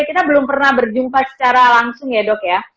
kita belum pernah berjumpa secara langsung ya dok ya